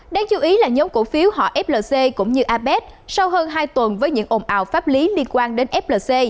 đáng chú ý là nhóm cổ phiếu họ flc cũng như apec sau hơn hai tuần với những ồn ào pháp lý liên quan đến flc